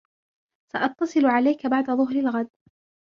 سأتصل عليك بعد ظهر الغد.